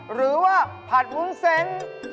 หรือว่าผัดวุ้นเซ้ง